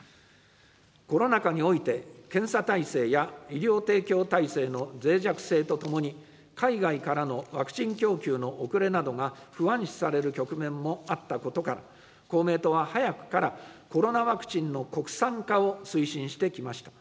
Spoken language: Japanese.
コロナ禍において、検査体制や医療提供体制のぜい弱性とともに、海外からのワクチン供給の遅れなどが不安視される局面もあったことから、公明党は早くからコロナワクチンの国産化を推進してきました。